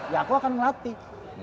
ya aku akan ngelatih